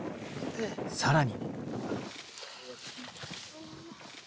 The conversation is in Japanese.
さらに。